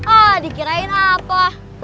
oh dikirain apa